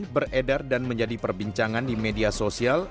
beredar dan menjadi perbincangan di media sosial